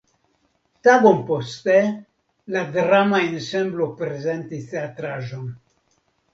Tagon poste la drama ensemblo prezentis teatraĵon.